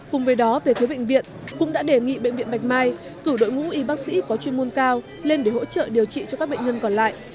cùng với đó về phía bệnh viện cũng đã đề nghị bệnh viện bạch mai cử đội ngũ y bác sĩ có chuyên môn cao lên để hỗ trợ điều trị cho các bệnh nhân còn lại